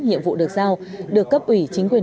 nhiệm vụ được giao được cấp ủy chính quyền